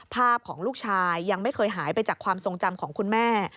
ภาพของลูกชายยังไม่เคยหายไปจากความทรงจำของคุณแม่